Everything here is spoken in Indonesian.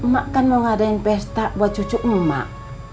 mak kan mau ngadain pesta buat cucu emak